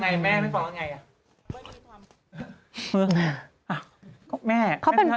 ยังไงแม่ไม่ฟังว่าไง